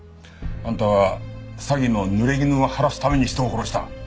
あんたは詐欺の濡れ衣を晴らすために人を殺した！